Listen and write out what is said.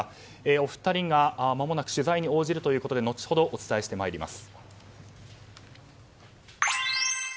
お二人が、まもなく取材に応じるということで後ほどお伝えしてまいります。